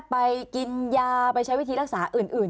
ไปกินยาไปใช้วิธีรักษาอื่น